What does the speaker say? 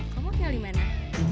kamu tinggal dimana